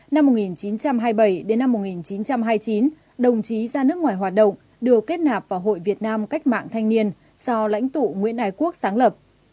năm một nghìn chín trăm hai mươi bảy đến năm một nghìn chín trăm hai mươi chín đồng chí ra nước ngoài hoạt động đều kết nạp vào hội việt nam cách mạng thanh niên do lãnh tụ nguyễn ái quốc sáng lập